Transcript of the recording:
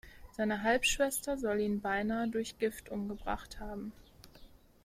Seine Halbschwester soll ihn beinah durch Gift umgebracht haben.